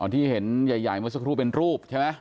ที่รูปเห็นใหญ่มานึกว่าสการูปเป็นรูปใช่ไหม